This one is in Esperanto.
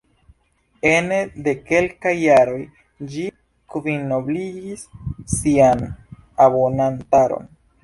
Ene de kelkaj jaroj ĝi kvinobligis sian abonantaron.